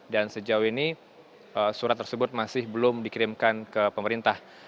dan sejauh ini surat tersebut masih belum dikirimkan ke pemerintah